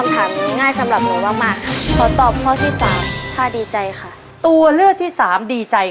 ตัวเลือดที่๓ดีใจ